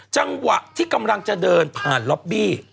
จังหวะที่กำลังจะเดินผ่านล็อบบี้